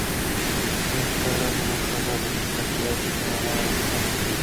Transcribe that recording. Lo instala en una casa de su propiedad y se enamora del joven.